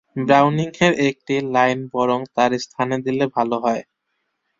ব্রাউনিং-এর একটি লাইন বরং তার স্থানে দিলে ভাল হয়।